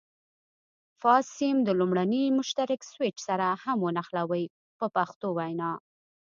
فاز سیم د لومړني مشترک سویچ سره هم ونښلوئ په پښتو وینا.